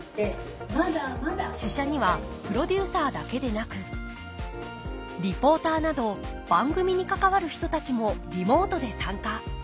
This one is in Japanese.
試写にはプロデューサーだけでなくリポーターなど番組に関わる人たちもリモートで参加。